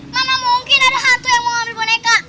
mana mungkin ada hantu yang mau ngambil boneka